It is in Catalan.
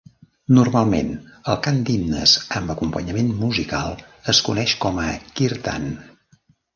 Normalment, el cant d'himnes amb acompanyament musical es coneix com a "Kirtan".